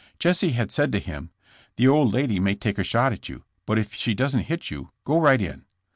Jesse had said to him: '' 'The old lady may take a shot at you, but if she doesn't hit you, go right in.'